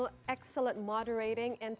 pemerintah yang sangat baik dan